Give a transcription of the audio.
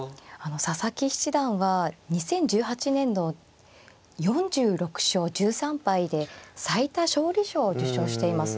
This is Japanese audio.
佐々木七段は２０１８年度４６勝１３敗で最多勝利賞を受賞しています。